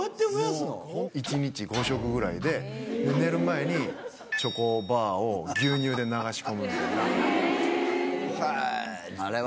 １日５食ぐらいで寝る前にチョコバーを牛乳で流し込むみたいな。